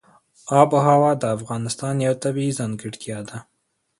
آب وهوا د افغانستان یوه طبیعي ځانګړتیا ده.